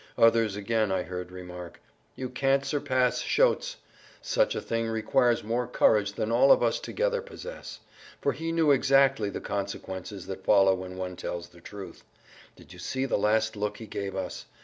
Others again I heard remark: "You can't surpass Schotes; such a thing requires more courage than all of us together possess. For he knew exactly the consequences that follow when one tells the truth. Did you see the last look he gave us?